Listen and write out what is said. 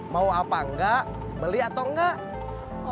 mau apa enggak beli atau enggak